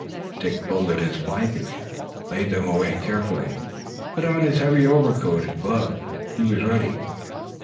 Dick folded his blankets, laid them away carefully, put on his heavy overcoat and gloves, and was ready.